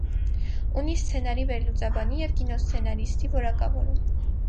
Ունի սցենարի վերլուծաբանի և կինոսցենարիստի որակավորում։